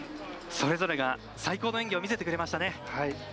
それぞれが最高の演技を見せてくれました。